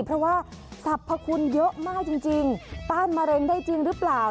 เพราะว่าสรรพคุณเยอะมากจริงต้านมะเร็งได้จริงหรือเปล่า